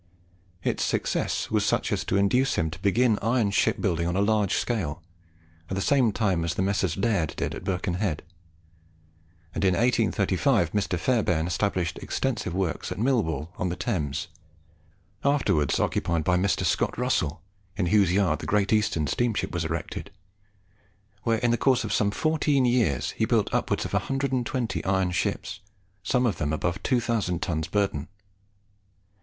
Its success was such as to induce him to begin iron shipbuilding on a large scale, at the same time as the Messrs. Laird did at Birkenhead; and in 1835, Mr. Fairbairn established extensive works at Millwall, on the Thames, afterwards occupied by Mr. Scott Russell, in whose yard the "Great Eastern" steamship was erected, where in the course of some fourteen years he built upwards of a hundred and twenty iron ships, some of them above 2000 tons burden.